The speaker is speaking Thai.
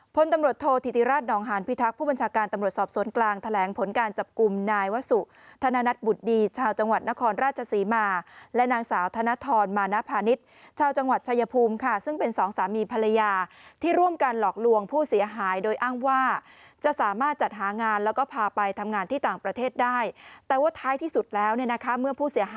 พลตำรวจโทษธิติราชนองฮานพิทักษ์ผู้บัญชาการตำรวจสอบสวนกลางแถลงผลการจับกลุ่มนายวสุธนนัทบุฏดีชาวจังหวัดนครราชสีมาและนางสาวธนทรมานพาณิชชาวจังหวัดชายภูมิค่ะซึ่งเป็นสองสามีภรรยาที่ร่วมกันหลอกลวงผู้เสียหายโดยอ้างว่าจะสามารถจัดหางานแล้วก็พาไปทำงานที่ต่างประเ